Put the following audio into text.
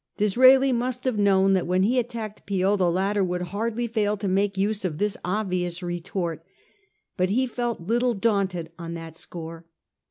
Disraeli must have known that when he attacked Peel, the latter would hardly fail to make use of this obvious retort ; but he felt little daunted on that score.